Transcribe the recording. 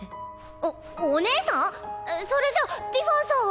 おお姉さん⁉えっそれじゃティファンさんは。